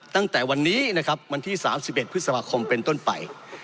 ตั้งแต่วันนี้นะครับวันที่๓๑พฤษภาคมเป็นต้นไป